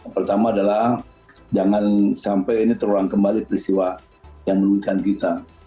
pertama adalah jangan sampai ini terulang kembali peristiwa yang merugikan kita